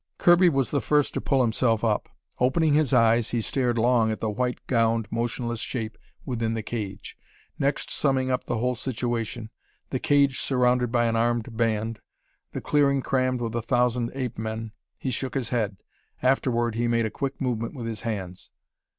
Kirby was the first to pull himself up. Opening his eyes, he stared long at the white gowned, motionless shape within the cage. Next summing up the whole situation the cage surrounded by an armed band, the clearing crammed with a thousand ape men he shook his head. Afterward, he made a quick movement with his hands.